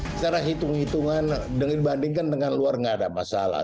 secara hitung hitungan dibandingkan dengan luar nggak ada masalah